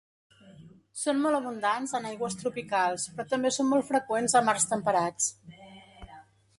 Són molt abundants en aigües tropicals, però també són molt freqüents a mars temperats.